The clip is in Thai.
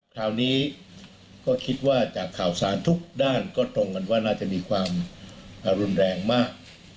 คราวนี้ก็คิดว่าจากข่าวสารทุกด้านก็ตรงกันว่าน่าจะมีความรุนแรงมาก